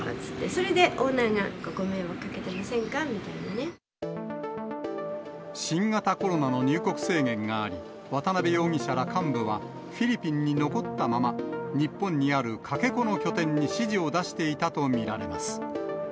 それでオーナーが、新型コロナの入国制限があり、渡辺容疑者ら幹部はフィリピンに残ったまま、日本にあるかけ子の拠点に指示を出していたと見られます。